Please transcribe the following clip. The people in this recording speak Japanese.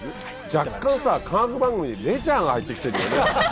若干さ科学番組にレジャーが入って来てんだよね。